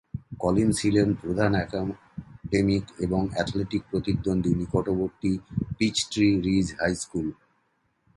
Collins হিলের প্রধান academic এবং অ্যাথলেটিক প্রতিদ্বন্দ্বী নিকটবর্তী পিচট্রি রিজ হাই স্কুল।